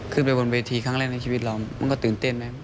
ขึ้นไปบนเวทีครั้งแรกในชีวิตเรามันก็ตื่นเต้นไหม